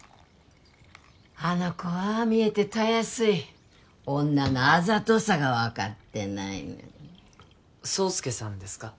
あの子はああ見えてたやすい女のあざとさが分かってない爽介さんですか？